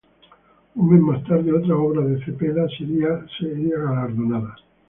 Un mes más tarde, otra obra de Cepeda sería galardonada.